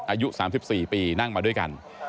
อายุ๓๔ปีนั่งมาด้วยกัน